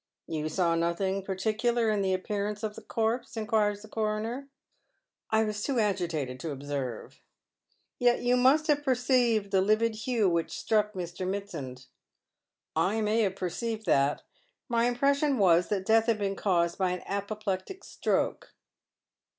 " You saw nothing particular in the appearance of tho corpse ?" inquires the coroner. " I was too agitated to observe." "Yet you must have perceived the livid hue which etnack Mr. ]\Iitsand." " I may have perceived that. My impression was that death had been caused by an apoplectic stroke."